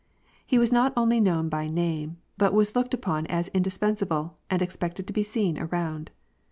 He was not only known by name, but was looked upon as indispensable, and expected to be seen around.